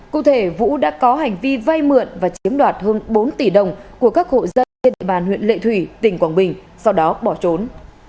cụ thể vũ đã có hành vi vay mượn và chiếm đoạt hơn bốn tỷ đồng của các hộ dân trên địa bàn huyện lệ thủy tỉnh quảng bình sau đó bỏ trốn